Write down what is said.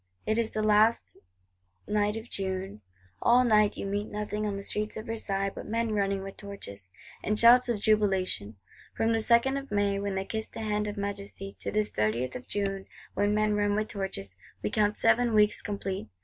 It is the last night of June: all night you meet nothing on the streets of Versailles but "men running with torches" with shouts of jubilation. From the 2nd of May when they kissed the hand of Majesty, to this 30th of June when men run with torches, we count seven weeks complete.